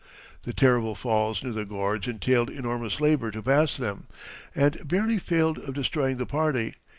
The terrible falls near the gorge entailed enormous labor to pass them, and barely failed of destroying the party.